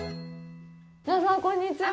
皆さん、こんにちは。